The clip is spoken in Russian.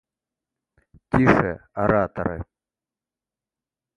Тише, ораторы!